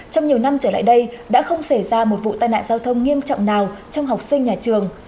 trong nhiều năm trở lại đây đã không xảy ra một vụ tai nạn giao thông nghiêm trọng nào trong học sinh nhà trường